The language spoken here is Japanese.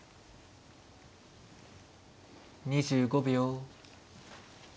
２５秒。